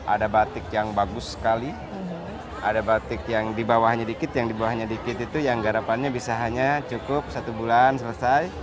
ada batik yang bagus sekali ada batik yang di bawahnya dikit yang di bawahnya dikit itu yang garapannya bisa hanya cukup satu bulan selesai